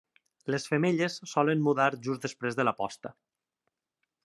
Les femelles solen mudar just després de la posta.